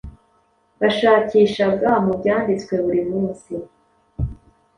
Bashakishaga mu byanditswe buri munsi,